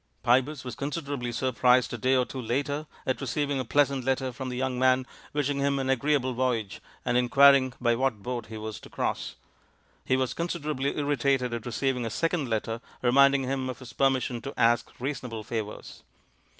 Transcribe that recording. Pybus was considerably surprised a day or two later at receiving a pleasant letter from the young man wishing him an agreeable voyage and in quiring by what boat he was to cross; he was considerably irritated at receiving a second letter reminding him of his permission to ask reasonable favours.